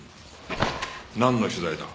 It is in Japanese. なんの取材だ？